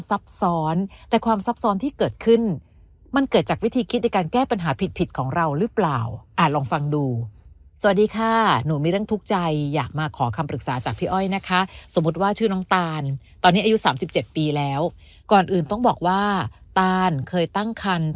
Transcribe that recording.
ซับซ้อนแต่ที่เกิดขึ้นมันเกิดจากวิธีที่ในการแก้ปัญหา